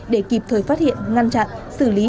để kịp thời phát hiện ngăn chặn xử lý